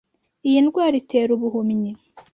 Iyi ndwara itera ubuhumyi.